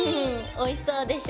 おいしそうでしょ？